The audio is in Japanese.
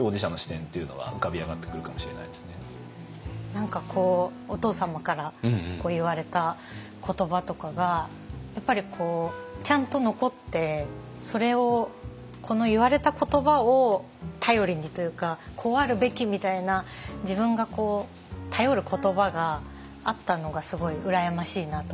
何かこうお父様から言われた言葉とかがやっぱりちゃんと残ってそれをこの言われた言葉を頼りにというかこうあるべきみたいな自分が頼る言葉があったのがすごい羨ましいなと思いました。